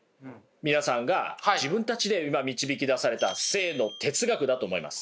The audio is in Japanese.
皆さんが自分たちで今導き出された生の哲学だと思います。